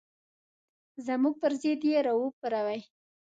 زموږ پر ضد یې راوپاروئ.